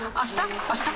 あした？